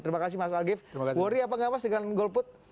terima kasih mas algif worry apa nggak mas dengan golput